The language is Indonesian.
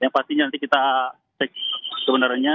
yang pastinya nanti kita cek sebenarnya